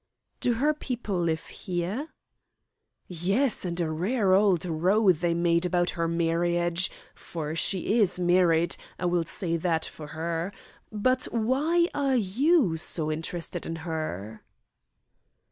"Do her people live here?" "Yes, and a rare old row they made about her marriage for she is married, I will say that for her. But why are you so interested in her?"